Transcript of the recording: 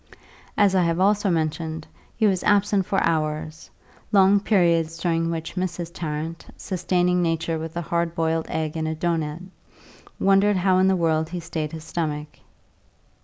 As I have also mentioned, he was absent for hours long periods during which Mrs. Tarrant, sustaining nature with a hard boiled egg and a doughnut, wondered how in the world he stayed his stomach.